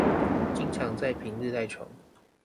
經常在平日賴床